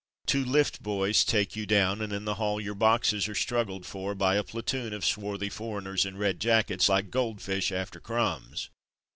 Two lift boys take you down, and in the hall your boxes are struggled for by a platoon of swarthy for eigners in red jackets, like goldfish after crumbs.